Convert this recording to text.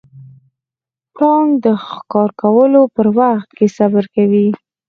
پړانګ د ښکار کولو په وخت کې صبر کوي.